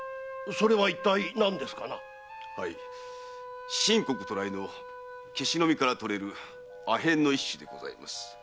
はい清国渡来の芥子の実からとれる阿片の一種でございます。